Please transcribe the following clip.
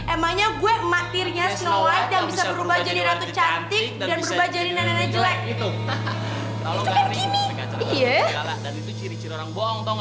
emangnya gue emak tirnya snow white yang bisa berubah jadi ratu cantik dan berubah jadi nana jelek